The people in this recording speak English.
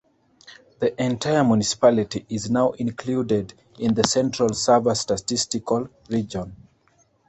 The entire municipality is now included in the Central Sava Statistical Region.